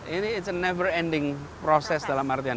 ini proses yang tidak berakhir dalam artian